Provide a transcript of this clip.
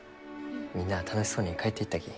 みんなあ楽しそうに帰っていったき。